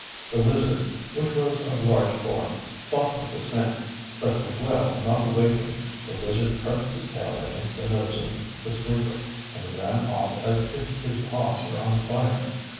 The lizard, which was of large form, fought with the snake. But Miguel not awaking, the lizard pressed his tail against the nose of the sleeper, and ran off as if his paws were on fire.